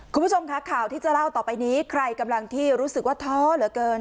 คุณผู้ชมค่ะข่าวที่จะเล่าต่อไปนี้ใครกำลังที่รู้สึกว่าท้อเหลือเกิน